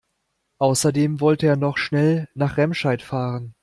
Außerdem wollte er noch schnell nach Remscheid fahren